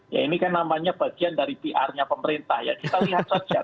ya ini kan namanya bagian dari pr nya pemerintah ya kita lihat saja